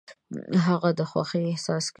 هغه د خوښۍ احساس کوي .